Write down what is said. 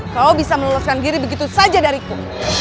kau bisa meloloskan diri begitu saja dariku